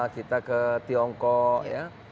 kita ke tiongkok ya